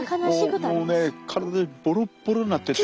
もうね完全にボロボロになってて。